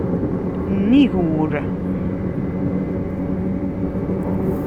Nnig wul.